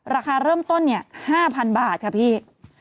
ราคาเริ่มต้น๕๐๐๐บาทค่ะพี่